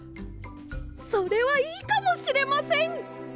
それはいいかもしれません！